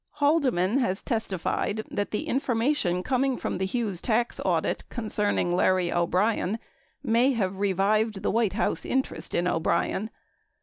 20 Haldeman has testified that the information coming from the Hughes tax audit concerning Larry O'Brien may have revived the "White House interest in O'Brien.